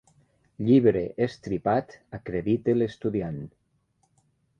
Llibre estripat acredita l'estudiant.